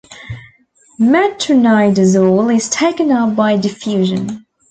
Metronidazole is taken up by diffusion.